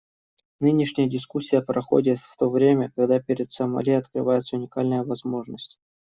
Нынешняя дискуссия проходит в то время, когда перед Сомали открывается уникальная возможность.